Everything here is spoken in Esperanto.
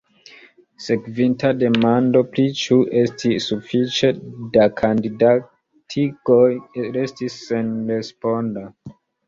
Sekvinta demando pri ĉu estis sufiĉe da kandidatigoj restis senresponda.